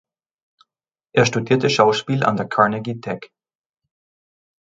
Er studierte Schauspiel an der Carnegie Tech.